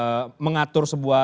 kemudian tidak ada mengatur sebuah